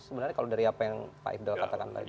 sebenarnya dari apa yang pak iqdal katakan tadi